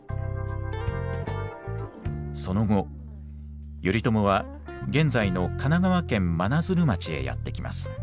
その後頼朝は現在の神奈川県真鶴町へやって来ます。